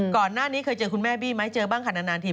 ก่อนหน้านี้เคยเจอคุณแม่บี้ไหมเจอบ้างค่ะนานที